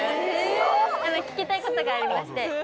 聞きたいことがありまして。